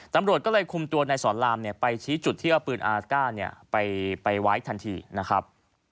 ตำรวจก็เลยคุมตัวนายสอนรามไปชี้จุดที่เอาปืนอาสต้าไปไว้ทันทีนะครับ